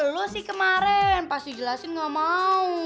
lu sih kemarin pas dijelasin gak mau